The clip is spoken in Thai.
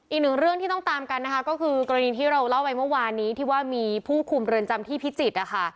อีกหนึ่งเรื่องที่ต้องตามกันนะคะก็คือกรณีที่เราเล่าไปเมื่อวานนี้ที่ว่ามีผู้คุมเรือนจำที่พิจิตรนะคะ